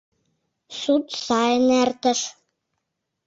Суд сайын эртыш.